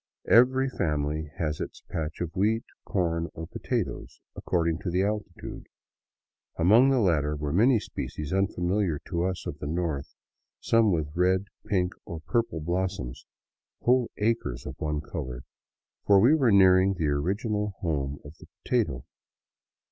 Every family had its patch of wheat, corn, or potatoes, according to the altitude. Among the latter were many species unfamiliar to us of the north, some with red, pink, or purple blossoms, whole acres of one color; for we were nearing the original home of the potato.